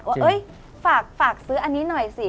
ว่าฝากซื้ออันนี้หน่อยสิ